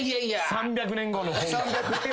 ３００年後の。